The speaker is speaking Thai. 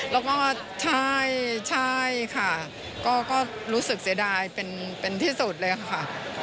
แล้วก็ใช่ค่ะก็รู้สึกเสียดายเป็นที่สุดเลยค่ะ